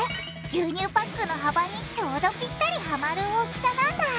牛乳パックの幅にちょうどピッタリはまる大きさなんだ